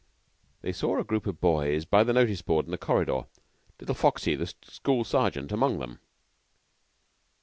They saw a group of boys by the notice board in the corridor; little Foxy, the school sergeant, among them.